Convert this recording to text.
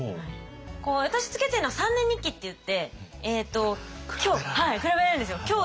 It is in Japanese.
私つけてるの３年日記っていって比べられるんですよ。